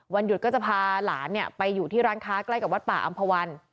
หยุดก็จะพาหลานไปอยู่ที่ร้านค้าใกล้กับวัดป่าอำภาวัน